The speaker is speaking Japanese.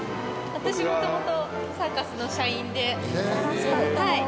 私もともとサーカスの社員で。